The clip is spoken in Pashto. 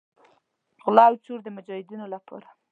غلا او چور د مجاهدینو لپاره.